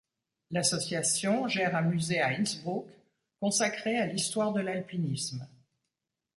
L'association gère un musée à Innsbruck consacré à l'histoire de l'alpinisme.